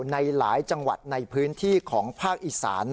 ในหลายจังหวัดในพื้นที่ของภาคอีสาน